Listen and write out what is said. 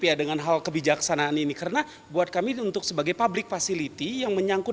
ya dengan hal kebijaksanaan ini karena buat kami untuk sebagai public facility yang menyangkut